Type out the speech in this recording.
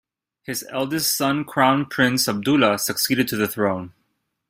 His eldest son Crown Prince Abdullah succeeded to the throne.